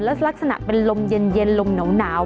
ลักษณะเป็นลมเย็นลมหนาว